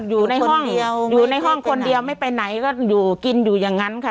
อยู่ในห้องเดียวอยู่ในห้องคนเดียวไม่ไปไหนก็อยู่กินอยู่อย่างนั้นค่ะ